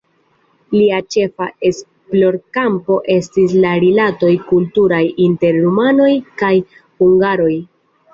Lia ĉefa esplorkampo estis la rilatoj kulturaj inter rumanoj kaj hungaroj.